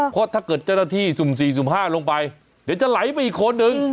เพราะถ้าเกิดเจ้าหน้าที่สุ่ม๔สุ่ม๕ลงไปเดี๋ยวจะไหลไปอีกคนนึง